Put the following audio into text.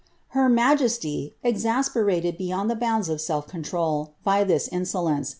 Her majesty, exasperated beyond ihe bounds of self control by ihis in ELIZABETH.